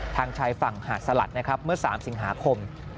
ทางชายฝั่งหาดสลัดเมื่อ๓สิงหาคม